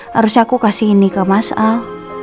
harusnya aku kasih ini ke mas al